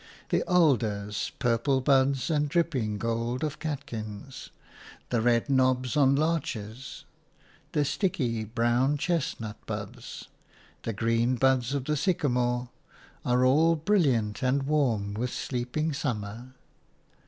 The alder's purple buds and dripping gold of catkins, the red knobs on larches, the sticky, brown chestnut buds, the green buds of the sycamore, are all brilliant and warm with sleeping summer.